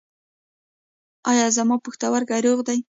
ایا زما پښتورګي روغ دي؟